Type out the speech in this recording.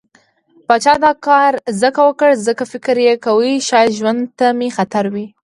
پاچا دا کار ځکه وکړ، ځکه فکر يې کوه شايد ژوند ته مې خطر وي.